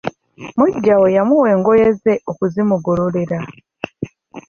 Muggya we yamuwa engoye ze okuzimugololera.